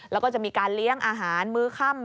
แล้วก็จะมีการเลี้ยงอาหารมื้อค่ำ